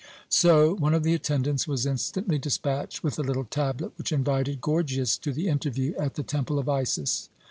So one of the attendants was instantly despatched with the little tablet which invited Gorgias to the interview at the Temple of Isis.